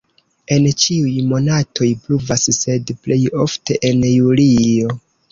En ĉiuj monatoj pluvas, sed plej ofte en julio.